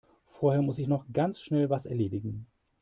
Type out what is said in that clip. Vorher muss ich noch ganz schnell was erledigen.